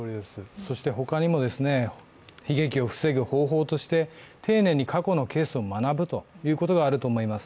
そして他にも、悲劇を防ぐ方法として、丁寧に過去のケースを学ぶこともあると思います。